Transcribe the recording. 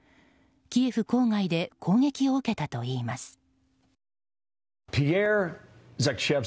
キエフ郊外で攻撃を受けたといいます。